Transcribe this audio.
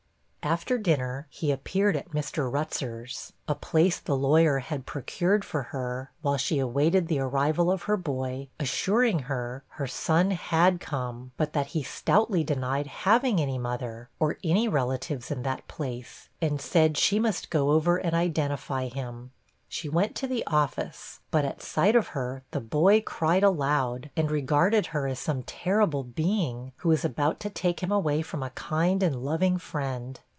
After dinner, he appeared at Mr. Rutzer's, (a place the lawyer had procured for her, while she awaited the arrival of her boy,) assuring her, her son had come; but that he stoutly denied having any mother, or any relatives in that place; and said, 'she must go over and identify him.' She went to the office, but at sight of her the boy cried aloud, and regarded her as some terrible being, who was about to take him away from a kind and loving friend.